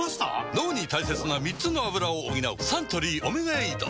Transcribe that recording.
脳に大切な３つのアブラを補うサントリー「オメガエイド」